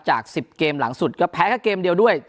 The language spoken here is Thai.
จาก๑๐เกมหลังสุดก็แพ้แค่เกมเดียวด้วย